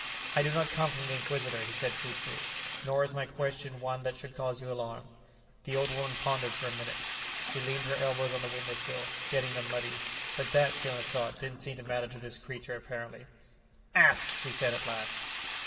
"I do not come from the Inquisitor," he said truthfully, "nor is my question one that should cause you alarm." The old woman pondered for a minute. She leaned her elbows on the window sill, getting them muddy. But that, Jonas thought, didn't seem to matter to this creature, apparently. "Ask," she said at last.